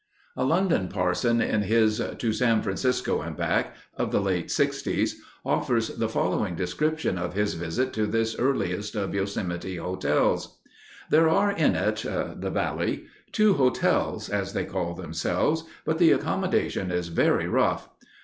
A London parson in his To San Francisco and Back, of the late 'sixties, offers the following description of his visit to this earliest of Yosemite hotels: There are in it [the valley] two hotels, as they call themselves, but the accommodation is very rough.